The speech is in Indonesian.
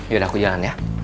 yaudah aku jalan ya